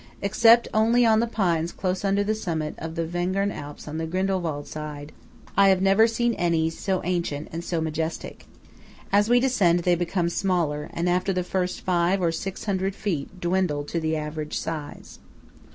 Except only the pines close under the summit of the Wengern Alp on the Grindelwald side, I have never seen any so ancient and so majestic. As we descend they become smaller, and after the first five or six hundred feet, dwindle to the average size.